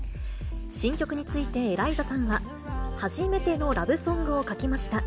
新曲について、エライザさんは、初めてのラブソングを書きました。